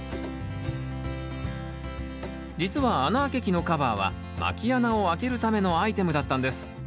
実は穴あけ器のカバーはまき穴をあけるためのアイテムだったんです。